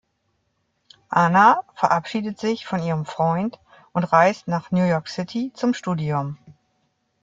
Ana verabschiedet sich von ihrem Freund und reist nach New York City zum Studium.